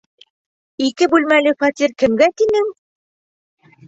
Ике бүлмәле фатир кемгә тинең?